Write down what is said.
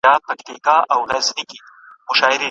د کرونا له تودې تبي څخه سوړ سو